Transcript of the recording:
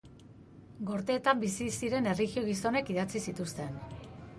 Gorteetan bizi ziren erlijio gizonek idatzi zituzten.